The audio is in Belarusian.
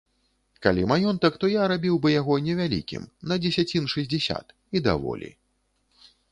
Калі маёнтак, то я рабіў бы яго невялікім, на дзесяцін шэсцьдзесят, і даволі.